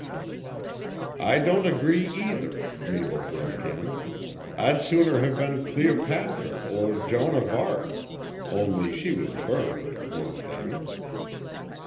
"I don't agree, either," Mabel broke in. "I'd sooner have been Cleopatra or Joan or Arc only she was burned, poor thing."